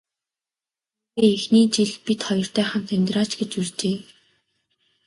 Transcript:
Дүүгээ эхний жил бид хоёртой хамт амьдраач гэж урьжээ.